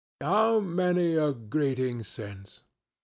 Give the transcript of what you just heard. How many a greeting since!